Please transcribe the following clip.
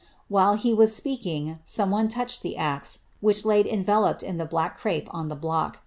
While he was speaking, some one touched the axe, which laid enve loped in bUck crape on the block.